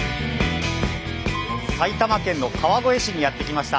埼玉県の川越市にやって来ました。